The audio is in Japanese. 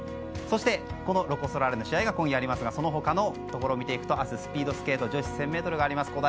そして、ロコ・ソラーレの試合が今夜、ありますがその他のところを見ると明日、スピードスケート女子１０００ｍがあります。